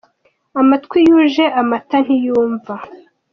Amatwi yuje amata ntiyumva.